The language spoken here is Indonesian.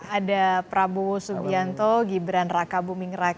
ada prabowo subianto gibran raka buming raka